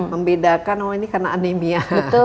membedakan oh ini karena anemia